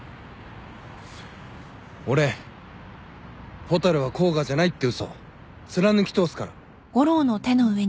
俺蛍は甲賀じゃないって嘘貫き通すから。